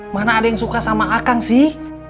mana ada yang suka sama akang sih